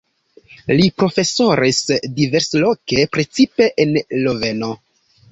Li profesoris diversloke, precipe en Loveno.